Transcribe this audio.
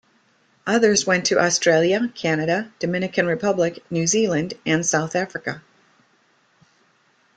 Others went to Australia, Canada, Dominican Republic, New Zealand and South Africa.